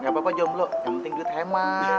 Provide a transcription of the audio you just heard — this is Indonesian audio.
gak apa apa jomblo yang penting duit hemat